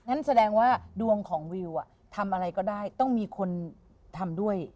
นั่นแสดงว่าดวงของวิวทำอะไรก็ได้ต้องมีคนทำด้วย